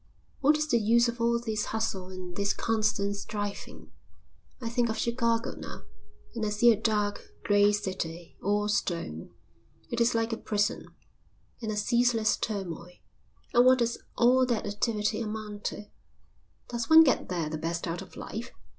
What is the use of all this hustle and this constant striving? I think of Chicago now and I see a dark, grey city, all stone it is like a prison and a ceaseless turmoil. And what does all that activity amount to? Does one get there the best out of life?